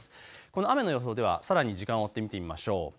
この雨の予報ではさらに時間を追って見てみましょう。